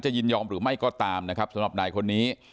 ยินยอมหรือไม่ก็ตามนะครับสำหรับนายคนนี้